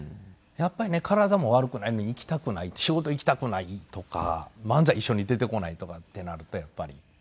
やっぱりね体も悪くないのに行きたくない仕事行きたくないとか漫才一緒に出てこないとかってなるとやっぱり。